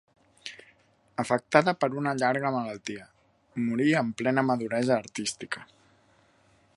Afectada per una llarga malaltia, morí en plena maduresa artística.